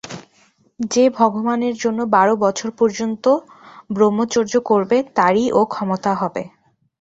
যে ভগবানের জন্য বার বছর পর্যন্ত ব্রহ্মচর্য করবে, তারই ও-ক্ষমতা হবে।